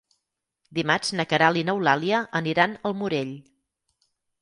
Dimarts na Queralt i n'Eulàlia aniran al Morell.